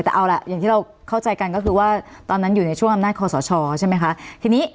แต่เอาล่ะอย่างที่เราเข้าใจกันก็คือว่าตอนนั้นอยู่ในช่วงอำนาจคอสชใช่ไหมคะทีนี้